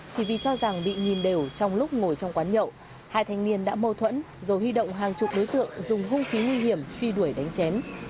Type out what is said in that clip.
chỉ vì cho rằng bị nhìn đều trong lúc ngồi trong quán nhậu hai thanh niên đã mâu thuẫn rồi huy động hàng chục đối tượng dùng hung khí nguy hiểm truy đuổi đánh chém